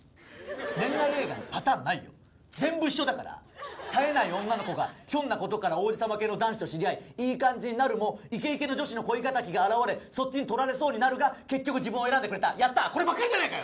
恋愛映画にパターンないよ全部一緒だからさえない女の子がひょんなことから王子様系の男子と知り合いいい感じになるもイケイケの女子の恋敵が現れそっちに取られそうになるが結局自分を選んでくれたやったこればっかりじゃないかよ！